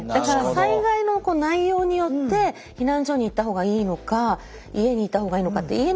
だから災害の内容によって避難所に行った方がいいのか家にいた方がいいのかって。